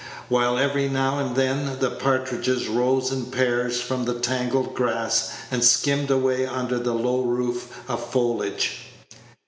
while every now and then the partridges rose in pairs from the tangled grass, and skimmed away under the low roof of foliage.